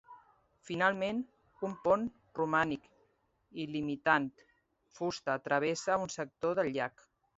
Finalment, un pont romàntic imitant fusta travessa un sector del llac.